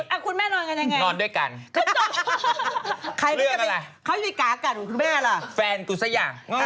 อ่ะคุณแม่นอนกันอย่างไร